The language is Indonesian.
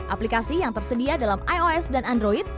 aplikasi yang tersedia dalam ios dan android